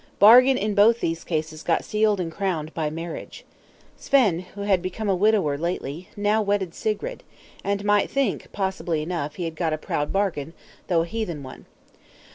Bargain in both these cases got sealed and crowned by marriage. Svein, who had become a widower lately, now wedded Sigrid; and might think, possibly enough, he had got a proud bargain, though a heathen one.